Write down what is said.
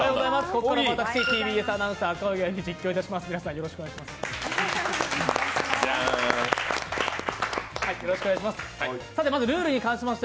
ここからは私、ＴＢＳアナウンサー・赤荻歩が実況します。